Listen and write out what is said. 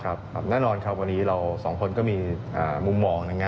ครับแน่นอนครับวันนี้เราสองคนก็มีมุมมอง